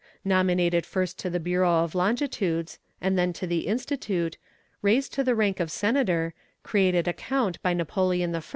Nominated first to the Bureau of Longitudes, and then to the Institute, raised to the rank of senator, created a count by Napoleon I.